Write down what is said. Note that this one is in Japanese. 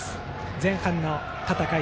前半の戦い